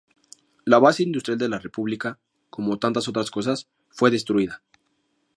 La base industrial de la república, como tantas otras cosas, fue destruida.